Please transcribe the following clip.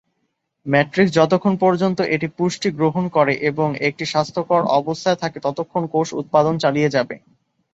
Matrix যতক্ষণ পর্যন্ত এটি পুষ্টি গ্রহণ করে এবং একটি স্বাস্থ্যকর অবস্থায় থাকে ততক্ষণ কোষ উৎপাদন চালিয়ে যাবে।